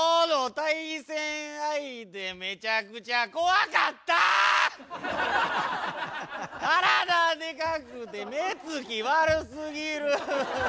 体でかくて目つき悪すぎる！